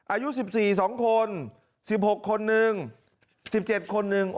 อายุ๑๔๒คน๑๖คนนึง๑๗คนหนึ่ง